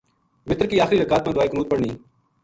وتر کی آخری رکات ما دعا قنوت پڑھنی۔